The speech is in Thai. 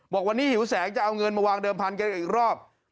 บอกวันนี้หิวแสงจะเอาเงินมาวางเดิมพันกันอีกรอบ